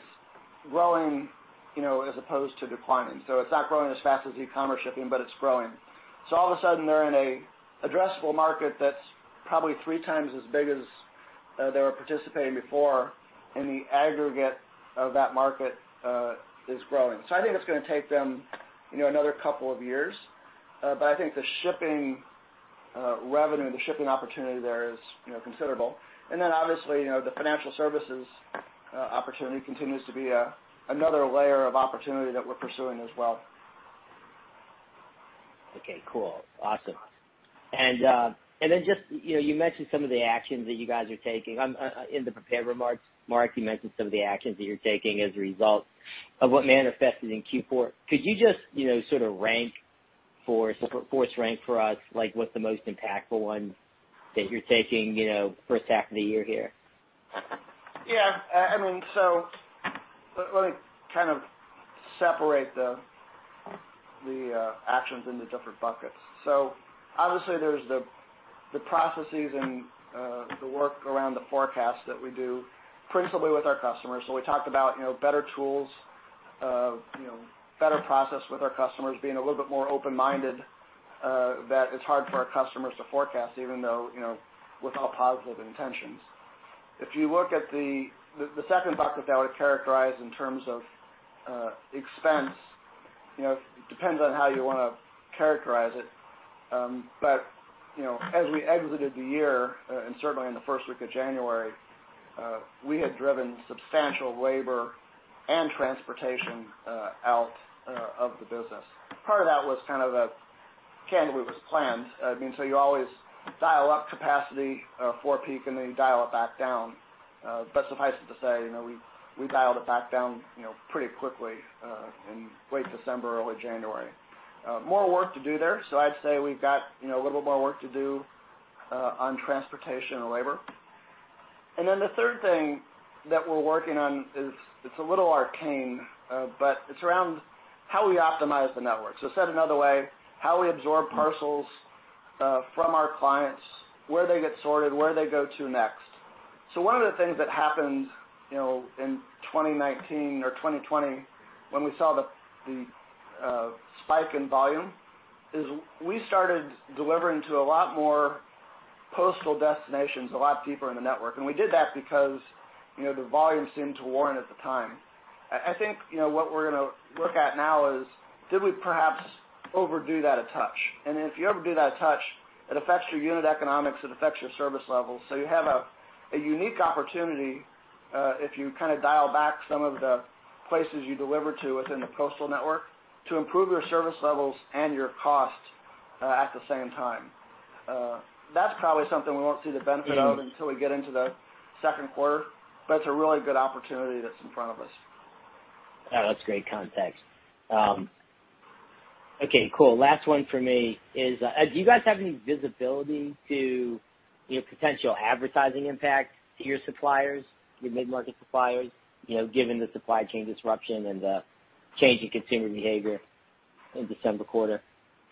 growing, you know, as opposed to declining. It's not growing as fast as e-commerce shipping, but it's growing. All of a sudden, they're in an addressable market that's probably three times as big as they were participating before, and the aggregate of that market is growing. I think it's gonna take them, you know, another couple of years, but I think the shipping revenue, the shipping opportunity there is, you know, considerable. Then obviously, you know, the financial services opportunity continues to be another layer of opportunity that we're pursuing as well. Okay, cool. Awesome. Just, you know, you mentioned some of the actions that you guys are taking. In the prepared remarks, Mark, you mentioned some of the actions that you're taking as a result of what manifested in Q4. Could you just, you know, sort of rank for us, force rank for us, like, what the most impactful ones that you're taking, you know, first half of the year here? I mean, let me kind of separate the actions into different buckets. Obviously there's the processes and the work around the forecast that we do, principally with our customers. We talked about, you know, better tools, you know, better process with our customers, being a little bit more open-minded, that it's hard for our customers to forecast even though, you know, with all positive intentions. If you look at the second bucket that I would characterize in terms of expense, you know, depends on how you wanna characterize it. You know, as we exited the year and certainly in the first week of January, we had driven substantial labor and transportation out of the business. Part of that was kind of candidly planned. I mean, you always dial up capacity for peak, and then you dial it back down. But suffice it to say, you know, we dialed it back down, you know, pretty quickly in late December, early January. More work to do there. I'd say we've got, you know, a little more work to do on transportation and labor. Then the third thing that we're working on is it's a little arcane, but it's around how we optimize the network. Said another way, how we absorb parcels from our clients, where they get sorted, where they go to next. One of the things that happened, you know, in 2019 or 2020 when we saw the spike in volume, is we started delivering to a lot more postal destinations, a lot deeper in the network. We did that because, you know, the volume seemed to warrant at the time. I think, you know, what we're gonna look at now is did we perhaps overdo that a touch? If you overdo that a touch, it affects your unit economics, it affects your service levels. You have a unique opportunity, if you kind of dial back some of the places you deliver to within the postal network to improve your service levels and your costs, at the same time. That's probably something we won't see the benefit of until we get into the second quarter, but it's a really good opportunity that's in front of us. Yeah, that's great context. Okay, cool. Last one for me is, do you guys have any visibility to, you know, potential advertising impact to your suppliers, your mid-market suppliers, you know, given the supply chain disruption and the change in consumer behavior in December quarter?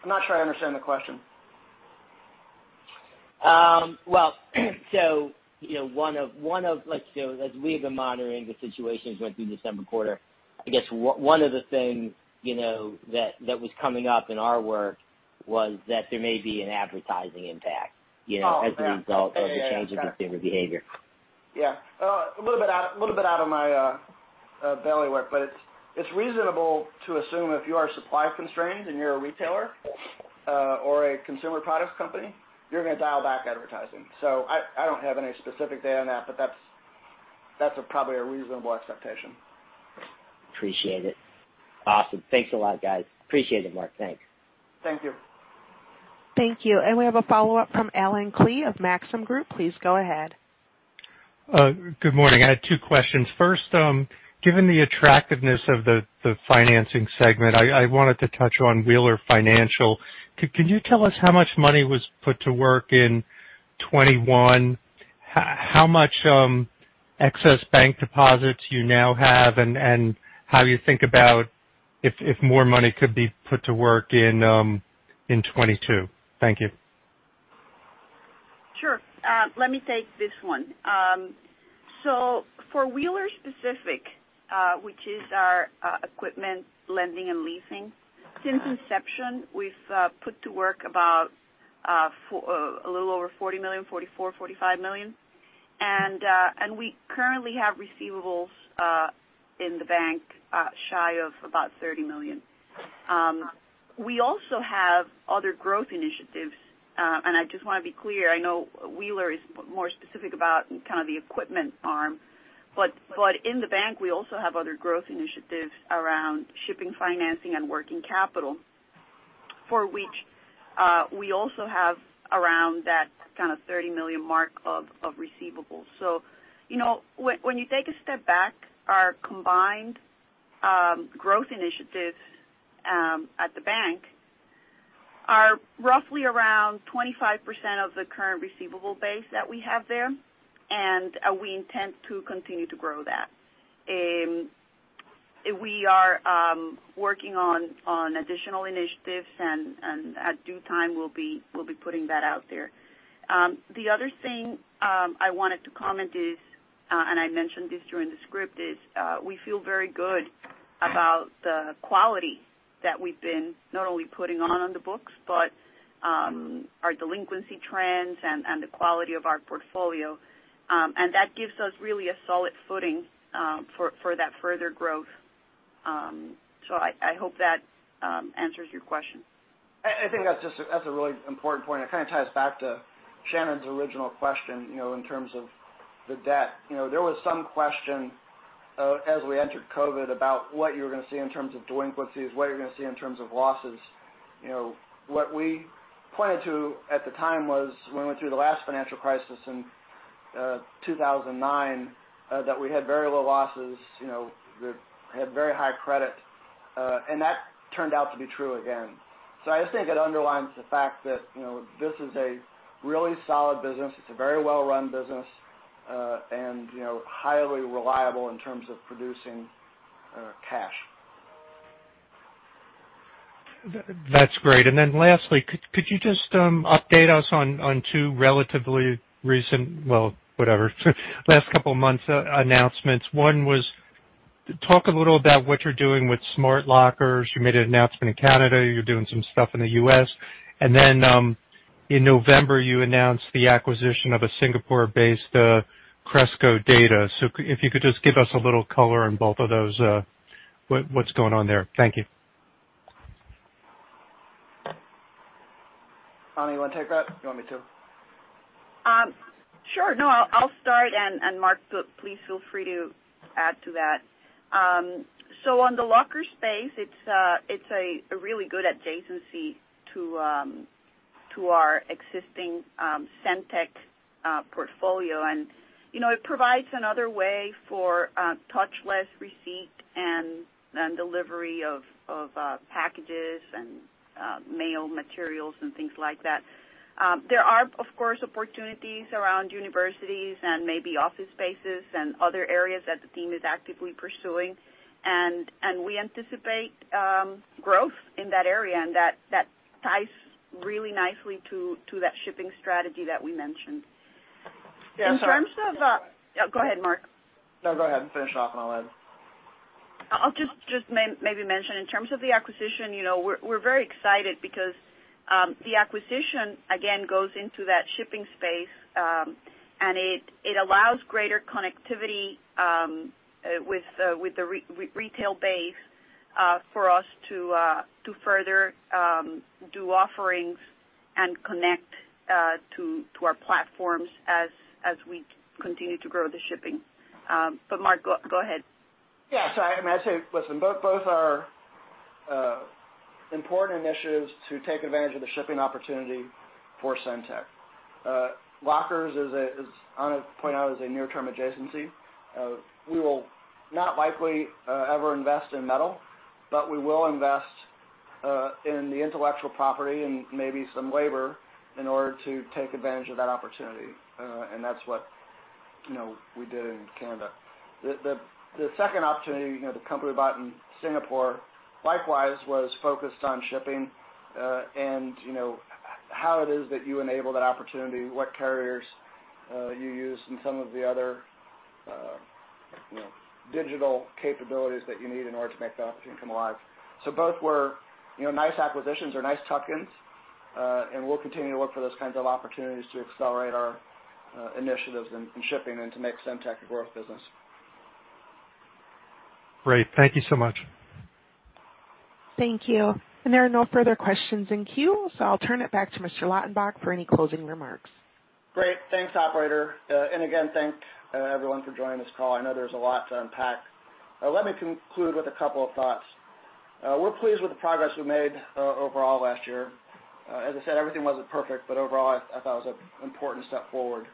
I'm not sure I understand the question. Well, you know, as we have been monitoring the situation as we went through the December quarter, I guess one of the things, you know, that was coming up in our work was that there may be an advertising impact, you know. Oh. As a result of the change in consumer behavior. Yeah, a little bit out of my bailiwick, but it's reasonable to assume if you are supply constrained and you're a retailer or a consumer products company, you're gonna dial back advertising. I don't have any specific data on that, but that's probably a reasonable expectation. Appreciate it. Awesome. Thanks a lot, guys. Appreciate it, Marc. Thanks. Thank you. Thank you. We have a follow-up from Allen Klee of Maxim Group. Please go ahead. Good morning. I had two questions. First, given the attractiveness of the financing segment, I wanted to touch on Wheeler Financial. Can you tell us how much money was put to work in 2021? How much excess bank deposits you now have and how you think about if more money could be put to work in 2022? Thank you. Sure. Let me take this one. For Wheeler specific, which is our equipment lending and leasing- Mm-hmm. Since inception, we've put to work about a little over $40 million, $44 million, $45 million. We currently have receivables in the bank shy of about $30 million. We also have other growth initiatives, and I just wanna be clear, I know Wheeler is more specific about kind of the equipment arm, but in the bank, we also have other growth initiatives around shipping, financing, and working capital for which we also have around that kind of $30 million mark of receivables. You know, when you take a step back, our combined growth initiatives at the bank are roughly around 25% of the current receivable base that we have there, and we intend to continue to grow that. We are working on additional initiatives and at due time, we'll be putting that out there. The other thing I wanted to comment is, and I mentioned this during the script, is we feel very good about the quality that we've been not only putting on the books, but our delinquency trends and the quality of our portfolio. That gives us really a solid footing for that further growth. I hope that answers your question. I think that's a really important point. It kind of ties back to Shannon's original question, you know, in terms of the debt. You know, there was some question as we entered COVID about what you were gonna see in terms of delinquencies, what you're gonna see in terms of losses. You know, what we pointed to at the time was when we went through the last financial crisis in 2009 that we had very low losses, you know, had very high credit, and that turned out to be true again. I just think it underlines the fact that, you know, this is a really solid business, it's a very well-run business, and you know, highly reliable in terms of producing cash. That's great. Then lastly, could you just update us on two relatively recent, well, whatever, last couple of months announcements. One was, talk a little about what you're doing with Smart Lockers. You made an announcement in Canada, you're doing some stuff in the U.S. Then, in November, you announced the acquisition of a Singapore-based CrescoData. If you could just give us a little color on both of those, what's going on there. Thank you. Ana, you wanna take that? You want me to? Sure. No, I'll start, and Marc Lautenbach, please feel free to add to that. On the locker space, it's a really good adjacency to our existing SendTech portfolio. You know, it provides another way for touchless receipt and delivery of packages and mail materials and things like that. There are, of course, opportunities around universities and maybe office spaces and other areas that the team is actively pursuing. We anticipate growth in that area, and that ties really nicely to that shipping strategy that we mentioned. Yeah. Sorry. In terms of, Go ahead, Marc. No, go ahead and finish off and I'll add. I'll just maybe mention in terms of the acquisition, you know, we're very excited because the acquisition again goes into that shipping space, and it allows greater connectivity with the retail base for us to further do offerings and connect to our platforms as we continue to grow the shipping. But Marc, go ahead. I mean, I'd say, listen, both are important initiatives to take advantage of the shipping opportunity for SendTech. Lockers is a, as Ana pointed out, near-term adjacency. We will not likely ever invest in metal, but we will invest in the intellectual property and maybe some labor in order to take advantage of that opportunity. That's what, you know, we did in Canada. The second opportunity, you know, the company we bought in Singapore likewise was focused on shipping, and, you know, how it is that you enable that opportunity, what carriers you use and some of the other digital capabilities that you need in order to make the opportunity come alive. Both were, you know, nice acquisitions or nice tuck-ins, and we'll continue to look for those kinds of opportunities to accelerate our initiatives in shipping and to make SendTech a growth business. Great. Thank you so much. Thank you. There are no further questions in queue, so I'll turn it back to Mr. Lautenbach for any closing remarks. Great. Thanks, operator. Again, thanks, everyone for joining this call. I know there's a lot to unpack. Let me conclude with a couple of thoughts. We're pleased with the progress we made overall last year. As I said, everything wasn't perfect, but overall, I thought it was an important step forward.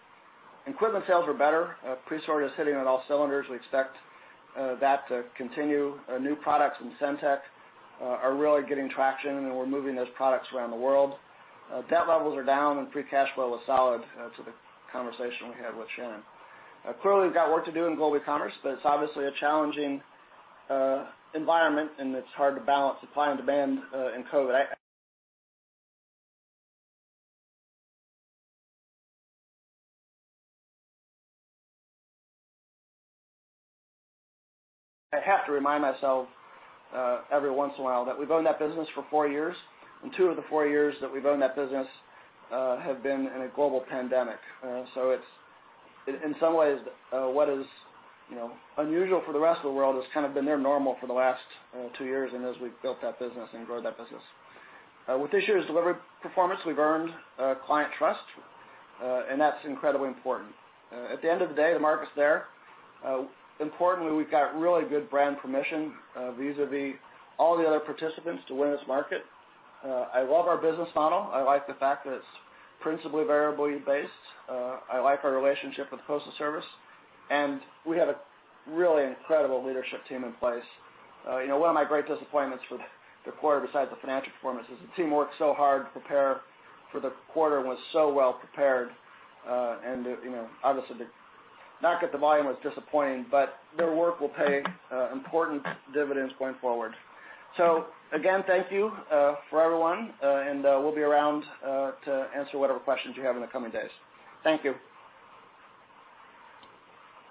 Equipment sales were better. Presort is hitting on all cylinders. We expect that to continue. New products in SendTech are really getting traction, and we're moving those products around the world. Debt levels are down and free cash flow was solid to the conversation we had with Shannon. Clearly, we've got work to do in Global Ecommerce, but it's obviously a challenging environment and it's hard to balance supply and demand in COVID. I have to remind myself, every once in a while that we've owned that business for four years, and two of the four years that we've owned that business, have been in a global pandemic. It's in some ways, what is, you know, unusual for the rest of the world has kind of been their normal for the last two years and as we've built that business and grown that business. With this year's delivery performance, we've earned, client trust, and that's incredibly important. At the end of the day, the market's there. Importantly, we've got really good brand permission vis-a-vis all the other participants to win this market. I love our business model. I like the fact that it's principally variably based. I like our relationship with the Postal Service, and we have a really incredible leadership team in place. You know, one of my great disappointments for the quarter besides the financial performance is the team worked so hard to prepare for the quarter and was so well prepared, and, you know, obviously to not get the volume was disappointing, but their work will pay important dividends going forward. Again, thank you for everyone, and we'll be around to answer whatever questions you have in the coming days. Thank you.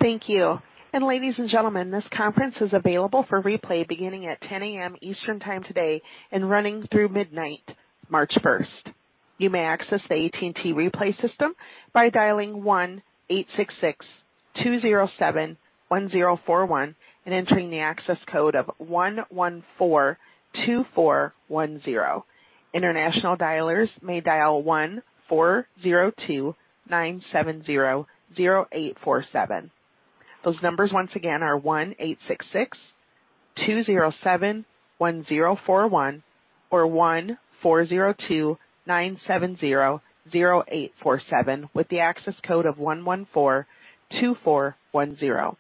Thank you. Ladies and gentlemen, this conference is available for replay beginning at 10 A.M. Eastern time today and running through midnight, March first. You may access the AT&T replay system by dialing 1-866-207-1041 and entering the access code of 1142410. International dialers may dial 1-402-970-0847. Those numbers once again are 1-866-207-1041 or 1-402-970-0847 with the access code of 1142410.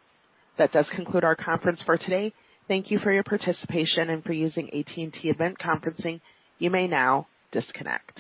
That does conclude our conference for today. Thank you for your participation and for using AT&T event conferencing. You may now disconnect.